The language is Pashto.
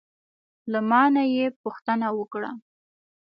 له ما نه یې پوښتنه وکړه: